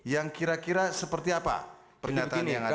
yang kira kira seperti apa pernyataan yang ada